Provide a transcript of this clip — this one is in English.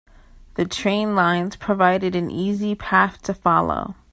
The train lines provided an easy path to follow.